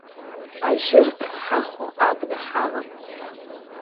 Ажәырҭ ҳахо абна ҳалам.